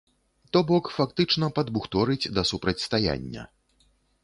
То бок, фактычна, падбухторыць да супрацьстаяння.